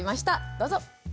どうぞ！